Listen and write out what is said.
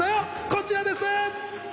こちらです。